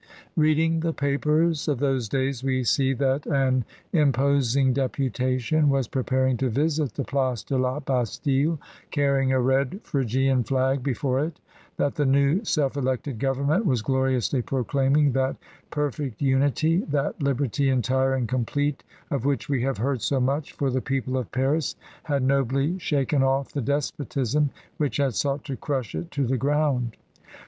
Reading the papers of those days we see that an imposing deputation was preparing to visit the Place de la Bastille, carrying a red Phrygian flag before it; that the new self elected government was gloriously proclaiming that "Perfect Unity, that Liberty entire and complete," of which we have heard so much, for the people of Paris had nobly shaken off" the despotism which had sought to crush it to the ground.